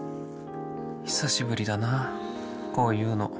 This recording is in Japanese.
久しぶりだなこういうの。